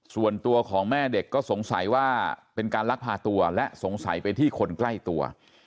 ส่วนตัวของแม่เด็กก็สงสัยว่าเป็นการลักพาตัวและสงสัยไปที่คนใกล้ตัว